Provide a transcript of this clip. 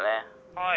「はい。